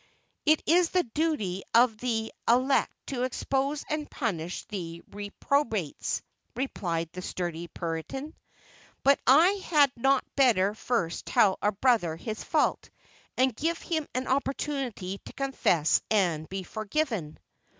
"It is the duty of the elect to expose and punish the reprobates," replied the sturdy Puritan. "But had I not better first tell our brother his fault, and give him an opportunity to confess and be forgiven?"